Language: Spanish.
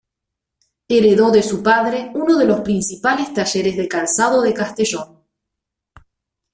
Heredó de su padre uno de los principales talleres de calzado de Castellón.